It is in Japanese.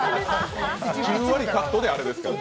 ９割カットであれですから。